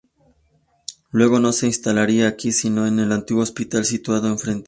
Luego no se instalaría aquí, sino en el antiguo Hospital situado enfrente.